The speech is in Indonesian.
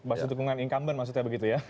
basis dukungan incumbent maksudnya begitu ya